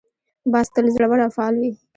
باز تل زړور او فعال وي